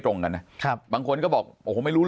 ปากกับภาคภูมิ